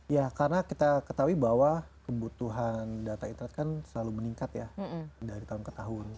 ya karena kita ketahui bahwa kebutuhan data internet kan selalu meningkat ya dari tahun ke tahun